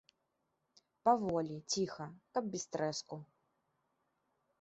Паволі, ціха, каб без трэску.